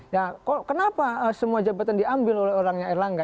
nah kenapa semua jabatan diambil oleh orangnya erlangga